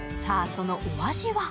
そのお味は？